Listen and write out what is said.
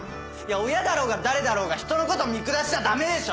親だろうが誰だろうが人のこと見下しちゃダメでしょ！